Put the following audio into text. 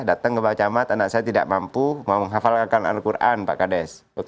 datang ke pak camat anak saya tidak mampu mau menghafalkan al quran pak kades